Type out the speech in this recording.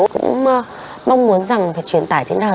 cũng mong muốn rằng phải truyền tải thế nào